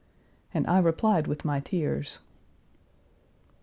And I replied with my tears.